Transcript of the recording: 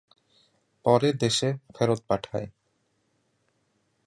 পরে দেশে ফেরত পাঠায়।